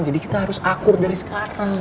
jadi kita harus akur dari sekarang